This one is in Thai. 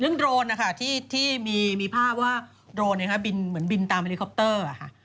เรื่องโดรนค่ะที่มีภาพว่าโดรนเองค่ะบินเหมือนบินตามอลลิคอปเตอร์ค่ะ